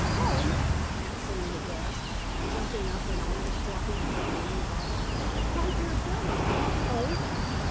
"Home!" Aunt Selina gasped, jumping up and almost dropping her ammonia bottle. "My dear Bella! Home?"